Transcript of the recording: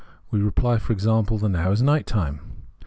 we reply, for example, the Now is night time.